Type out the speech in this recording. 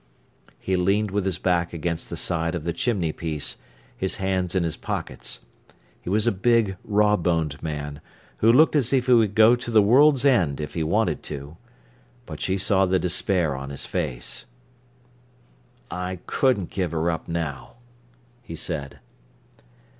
He leaned with his back against the side of the chimney piece, his hands in his pockets. He was a big, raw boned man, who looked as if he would go to the world's end if he wanted to. But she saw the despair on his face. "I couldn't give her up now," he said.